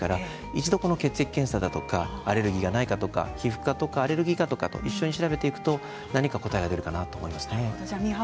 一度、血液検査アレルギーがないかどうか皮膚科医やアレルギー科と一緒に調べていくと何か答えが出るかもしれないですね。